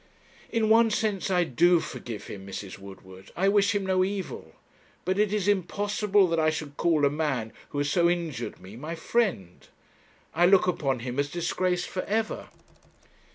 'In one sense, I do forgive him, Mrs. Woodward. I wish him no evil. But it is impossible that I should call a man who has so injured me my friend. I look upon him as disgraced for ever.'